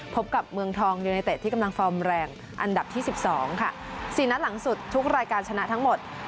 พบกับเมืองทองยูเนเต็ดที่กำลังฟอร์มแรงอันดับที่๑๒ค่ะ๔นัดหลังสุดทุกรายการชนะทั้งหมด